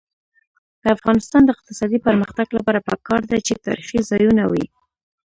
د افغانستان د اقتصادي پرمختګ لپاره پکار ده چې تاریخي ځایونه وي.